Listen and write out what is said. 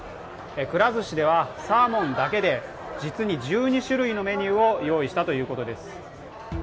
くら寿司ではサーモンだけで実に１２種類のメニューを用意したということです。